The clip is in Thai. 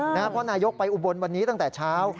เพราะนายกไปอุบลวันนี้ตั้งแต่เช้า